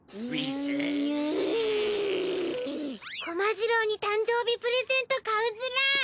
コマじろうに誕生日プレゼント買うズラ！